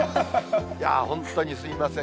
いや本当にすみません。